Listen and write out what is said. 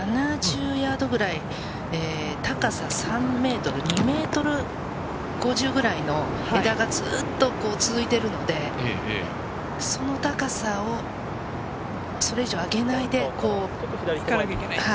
ずっと７０ヤードぐらい、高さ３ｍ、２ｍ５０ぐらいの枝がずっと続いているので、その高さをそれ以上は上げないで。